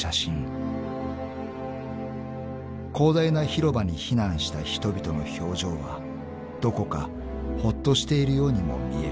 ［広大な広場に避難した人々の表情はどこかほっとしているようにも見える］